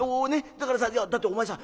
だからさだってお前さ